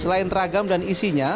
selain ragam dan isinya